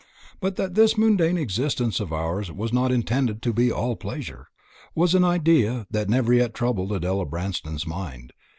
That this mundane existence of ours was not intended to be all pleasure, was an idea that never yet troubled Adela Branston's mind.